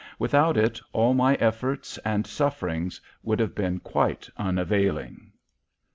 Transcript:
Without it, all my efforts and sufferings would have been quite unavailing.